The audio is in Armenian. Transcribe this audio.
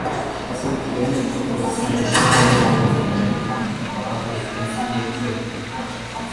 Կապոյտ գոյնը կը խորհրդանշէ հայ ժողովուրդի ապրելու կամքը խաղաղ երկինքի ներքոյ։